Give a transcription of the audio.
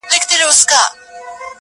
• که تعویذ د چا مشکل آسانولای -